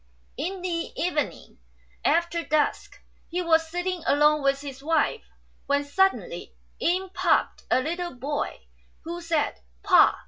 In the evening, after dusk, he was sitting alone with his wife, when suddenly in popped a little boy, who said, " Pa